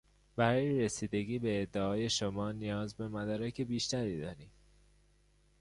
برای رسیدگی به ادعای شما نیاز به مدارک بیشتری داریم.